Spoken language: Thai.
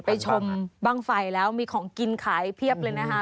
ชมบ้างไฟแล้วมีของกินขายเพียบเลยนะคะ